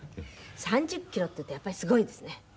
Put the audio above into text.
３０キロっていうとやっぱりすごいですね。